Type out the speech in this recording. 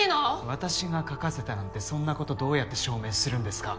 私が書かせたなんてそんなことどうやって証明するんですか？